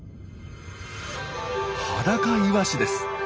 ハダカイワシです。